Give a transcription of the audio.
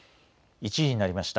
１時になりました。